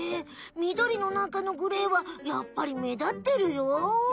みどりのなかのグレーはやっぱり目立ってるよ。